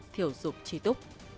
thiểu dục trí túc